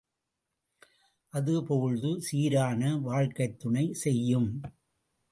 அதேபோழ்து சீரான வாழ்க்கைக்குத் துணை செய்யும்.